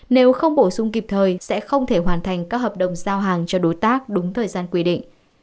nếu không bổ sung kịp thời sẽ không thể hoàn thành các hợp đồng giao hàng cho đối tác đúng thời gian quy định